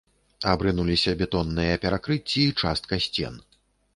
Абрынуліся бетонныя перакрыцці і частка сцен.